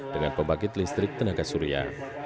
dengan pembangkit listrik tenaga surya